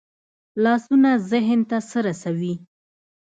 لاسونه ذهن ته څه رسوي